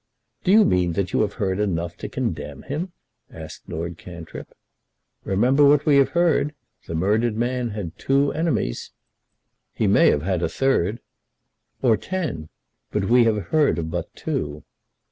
"Do you mean that you have heard enough to condemn him?" asked Lord Cantrip. "Remember what we have heard. The murdered man had two enemies." "He may have had a third." "Or ten; but we have heard of but two."